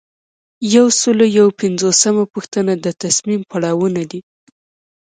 یو سل او یو پنځوسمه پوښتنه د تصمیم پړاوونه دي.